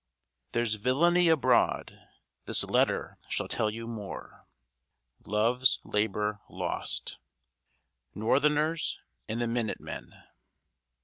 There's villany abroad; this letter shall tell you more. LOVE'S LABOR LOST. [Sidenote: NORTHERNERS AND THE MINUTE MEN.